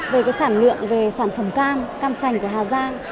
về cái sản lượng về sản phẩm cam cam sành của hà giang